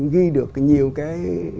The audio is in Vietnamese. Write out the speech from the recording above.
ghi được nhiều cái